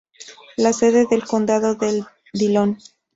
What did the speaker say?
La sede del condado es Dillon.